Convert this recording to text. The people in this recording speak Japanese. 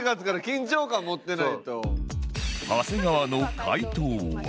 長谷川の解答は